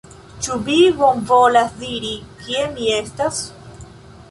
Ĉu vi bonvolas diri, kie mi estas?